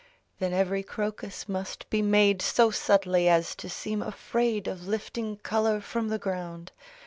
Then every crocus must be made So subtly as to seem afraid Of lifting color from the ground.